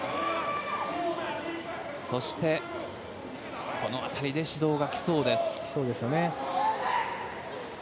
そして、この辺りで指導が来そうです。